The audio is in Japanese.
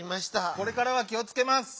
これからは気をつけます。